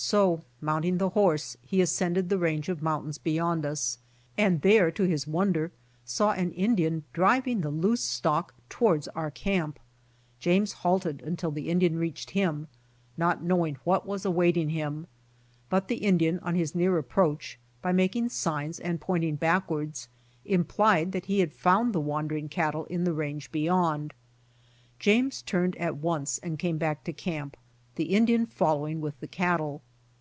So mounting the horse, he ascended the range of mountains beyond us, and there to his wonder, saw an Indian driving the loose stock towards our camp. James halted until the Indian reached him, not knowing what was awaiting him, but the Indian ion his near approach, by making signs and pointing backwards, implied that he had found the wandering cattle in the range beyond. James turned at once and came back to camp, the Indian following with the cattle.